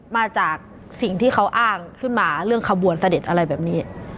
มาจากสิ่งที่เขาอ้างขึ้นมาเรื่องขบวนเสด็จอะไรแบบนี้